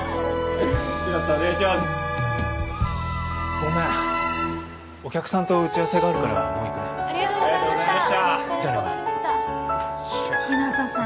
ごめんお客さんと打ち合わせがあるからもう行くねありがとうございましたじゃあね真凛日向さん